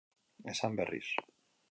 Esan berriz.